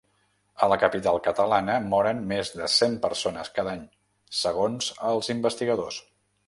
A la capital catalana moren més de cent persones cada any, segons els investigadors.